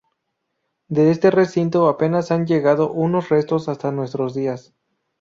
De este recinto, apenas han llegado unos restos hasta nuestros días.